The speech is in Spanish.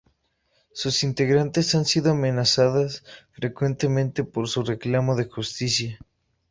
Sus integrantes han sido amenazadas frecuentemente por su reclamo de justicia.